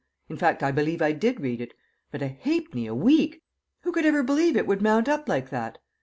In fact I believe I did read it; but a halfpenny a week! Who could ever believe it would mount up like that?